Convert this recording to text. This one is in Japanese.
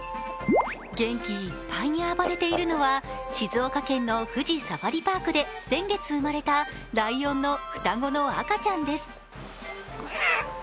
元気いっぱいに暴れているのは静岡県の富士サファリパークで先月生まれたライオンの双子の赤ちゃんです。